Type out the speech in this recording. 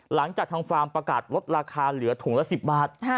หลังจากทางฟาร์มประกาศลดราคาเหลือถุงละ๑๐บาท